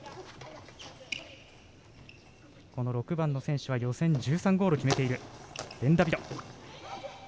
この６番の選手は予選１３ゴールを決めているベンダビド。